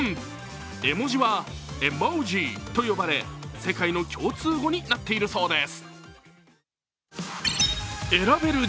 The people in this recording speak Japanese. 絵文字は「ＥＭＯＪＩ」と呼ばれ世界の共通語になっているそうです。